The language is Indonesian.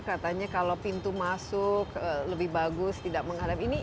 katanya kalau pintu masuk lebih bagus tidak menghadapi